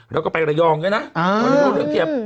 แล้วก็ไประยองเงี้ยนะ